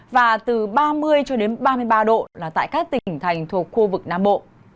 và từ ba mươi cho đến ba mươi ba độ là tại các tỉnh thành thuộc khu vực nam bộ